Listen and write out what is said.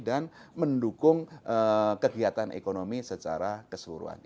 dan mendukung kegiatan ekonomi secara keseluruhan